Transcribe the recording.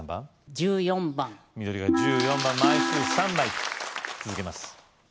１４番緑が１４番枚数３枚続けます